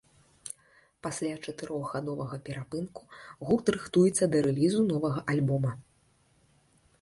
Пасля чатырохгадовага перапынку гурт рыхтуецца да рэлізу новага альбома.